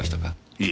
いえ。